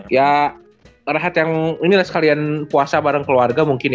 ya rehat yang ini lah sekalian puasa bareng keluarga mungkin ya